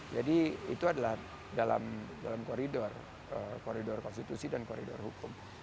jadi itu adalah dalam koridor konstitusi dan koridor hukum